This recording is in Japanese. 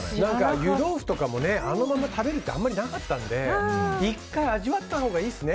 湯豆腐とかもあのまま食べるってあまりなかったので１回味わったほうがいいですね